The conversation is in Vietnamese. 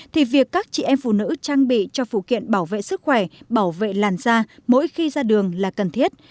thì việc các chị em phụ nữ trang bị cho phụ kiện bảo vệ sức khỏe bảo vệ làn da mỗi khi ra đường là cần thiết